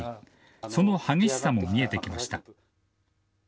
その激しさも見えてきました。